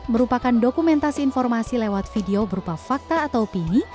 merupakan dokumentasi informasi lewat video berupa fakta atau opini